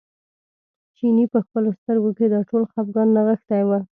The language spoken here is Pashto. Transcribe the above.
چیني په خپلو سترګو کې دا ټول خپګان نغښتی و.